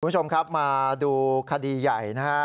คุณผู้ชมครับมาดูคดีใหญ่นะฮะ